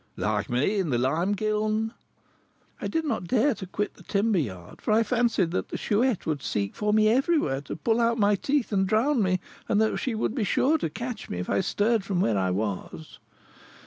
"Like me in the lime kiln." "I did not dare to quit the timber yard, for I fancied that the Chouette would seek for me everywhere, to pull out my teeth and drown me, and that she would be sure to catch me if I stirred from where I was."